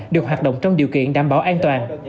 được hoạt động trong điều kiện đảm bảo an toàn